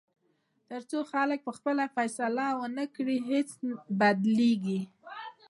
تر څو خلک پخپله فیصله ونه کړي، هیڅ بدلېږي.